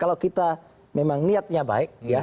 kalau kita memang niatnya baik